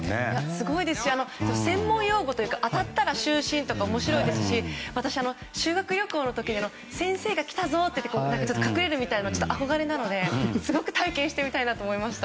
すごいですし専門用語というか当たったら就寝とか面白いですし私、修学旅行の時に先生が来たぞって隠れるみたいなの、憧れなのですごく体験してみたいなと思いました。